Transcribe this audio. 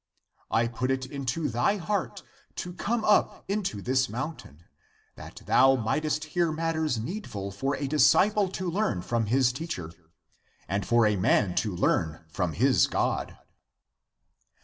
I put it into thy heart to come up into this mountain, that thou mightest hear matters needful for a disciple to learn from his teacher, and for a man to learn from his God.